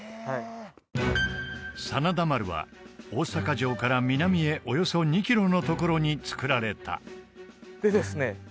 はい真田丸は大坂城から南へおよそ２キロのところに造られたでですね